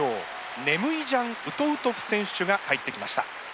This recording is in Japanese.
ネムイジャン・ウトウトフ選手が入ってきました。